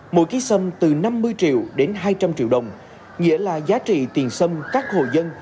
mỗi ký sâm từ năm mươi triệu đến hai trăm linh triệu đồng nghĩa là giá trị tiền xâm các hồ dân